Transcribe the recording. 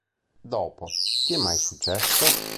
Dopo "Ti è mai successo?